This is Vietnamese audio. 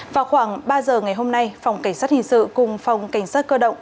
vào khoảng ba giờ ngày hôm nay phòng cảnh sát hình sự cùng phòng cảnh sát cơ động